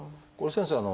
先生。